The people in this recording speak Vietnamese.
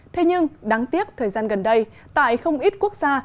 thế nhưng đáng tiếc thời gian gần đây tại không ít quốc gia